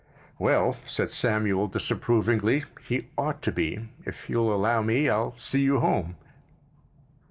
"Well," said Samuel disapprovingly, "he ought to be. If you'll allow me I'll see you home."